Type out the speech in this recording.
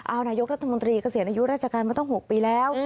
เอานายกรัฐมนตรีเกษียณอายุราชการมาตั้ง๖ปีแล้ว